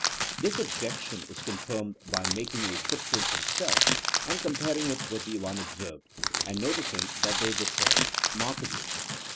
This objection is confirmed by making a footprint himself and comparing it with the one observed, and noticing that they differ markedly.